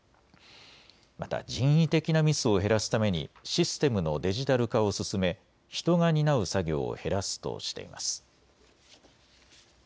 また人為的なミスを減らすためにシステムのデジタル化を進め人が担う作業を減らすとしています。